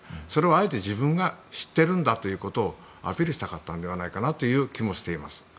あえて自分が知ってるんだということをアピールしたかったのではないかという気もしています。